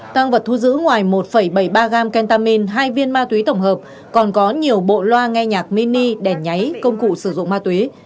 tăng vật thu giữ ngoài một bảy mươi ba gram kentamin hai viên ma túy tổng hợp còn có nhiều bộ loa nghe nhạc mini đèn nháy công cụ sử dụng ma túy